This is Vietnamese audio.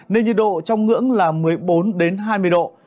nên nhiệt độ trong ngưỡng là một mươi bốn hai mươi độ